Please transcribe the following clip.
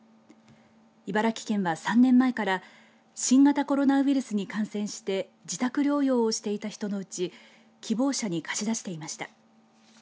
茨城県は３年前から新型コロナウイルスに感染して自宅療養をしていた人のうち希望者に貸し出していました。